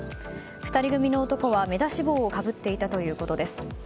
２人組の男は、目出し帽をかぶっていたということです。